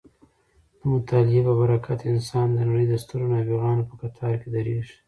د مطالعې په برکت انسان د نړۍ د سترو نابغانو په کتار کې درېږي.